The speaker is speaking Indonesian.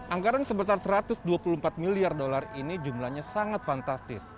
anggaran sebesar satu ratus dua puluh empat miliar dolar ini jumlahnya sangat fantastis